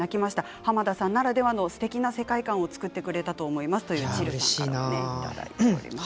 濱田さんならではのすてきな世界観を作ってくれたと思いますといただいています。